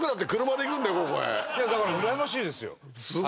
だからうらやましいですよ。